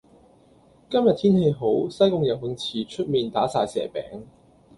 今日天氣好，西貢游泳池出面打晒蛇餅。